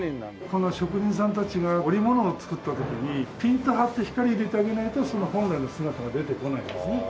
この職人さんたちが織物を作った時にピンッと張って光を入れてあげないとその本来の姿は出てこないんですね。